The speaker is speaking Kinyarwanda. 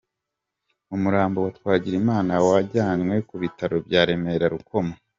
Umurambo wa Twagirimana wajyanywe ku Bitaro bya Remera Rukoma.